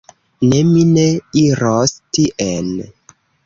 Ne, mi ne iros tien.